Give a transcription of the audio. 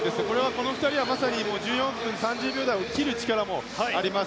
この２人は１４分３０秒台を切る力もあります。